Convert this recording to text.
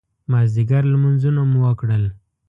مازدیګر لمونځونه مو وکړل.